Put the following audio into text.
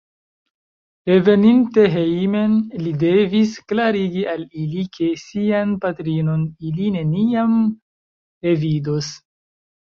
Reveninte hejmen, li devis klarigi al ili, ke sian patrinon ili neniam revidos.